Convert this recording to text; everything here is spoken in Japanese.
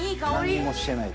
何にもしてない。